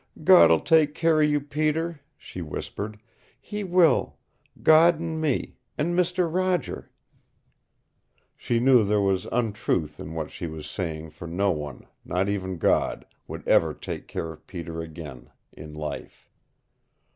"God'll take care o' you, Peter," she whispered. "He will God, 'n' me, and Mister Roger " She knew there was untruth in what she was saying for no one, not even God, would ever take care of Peter again in life.